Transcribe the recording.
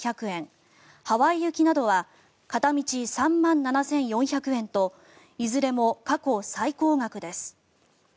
ハワイ行きなどは片道３万７４００円といずれも過去最高額です。